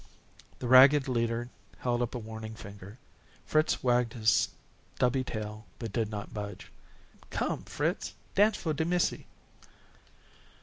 The ragged leader held up a warning finger. Fritz wagged his stubby tail, but did not budge. "Come, come, Fritz. Dance for de missy."